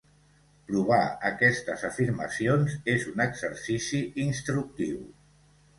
Provar aquestes afirmacions es un exercici instructiu.